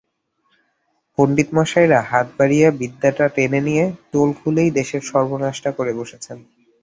পণ্ডিত মশাইরা হাত বাড়িয়ে বিদ্যাটা টেনে নিয়ে টোল খুলেই দেশের সর্বনাশটা করে বসেছেন।